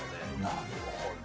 なるほど。